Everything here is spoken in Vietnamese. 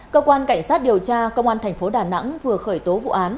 cơ quan cảnh sát điều tra công an tp đà nẵng vừa khởi tố vụ án